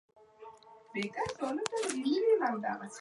راشئ تلواریانو حرکت کوو روان یو.